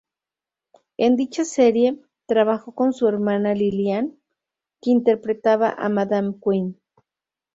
En dicha serie, trabajó con su hermana Lillian, que interpretaba a Madame Queen.